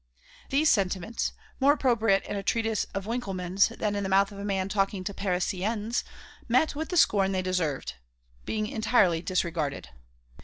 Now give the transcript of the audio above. These sentiments, more appropriate in a treatise of Winckelmann's than in the mouth of a man talking to Parisiennes, met with the scorn they deserved, being entirely disregarded.